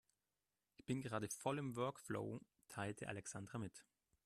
Ich bin gerade voll im Workflow, teilte Alexandra mit.